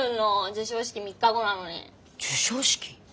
授賞式？